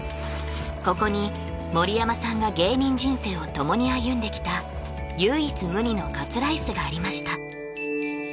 ここに盛山さんが芸人人生を共に歩んできた唯一無二のカツライスがありました